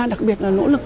đặc biệt là nỗ lực